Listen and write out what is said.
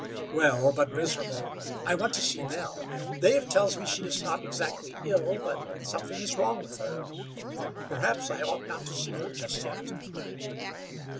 "Well, but miserable. I want to see Nell. Dave tells me she is not exactly ill, but something is wrong with her. Perhaps I ought not to see her just yet."